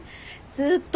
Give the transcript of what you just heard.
ずーっと。